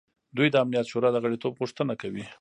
دوی د امنیت شورا د غړیتوب غوښتنه کوي.